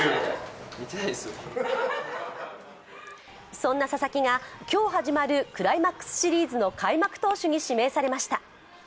そんな佐々木が、今日始まるクライマックスシリーズの開幕投手に指名されました。